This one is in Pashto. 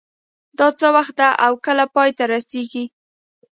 دا څه وخت ده او کله پای ته رسیږي